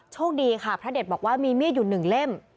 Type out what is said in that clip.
โชคดีค่ะพระเด็จบอกว่ามีเมียอยู่๑เล่ม